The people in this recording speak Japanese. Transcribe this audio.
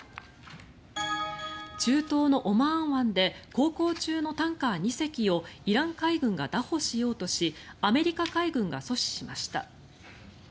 中東のオマーン湾で航行中のタンカー２隻をイラン海軍がだ捕しようとしアメリカ海軍が阻止しました。